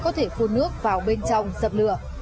không thể phun nước vào bên trong sập lửa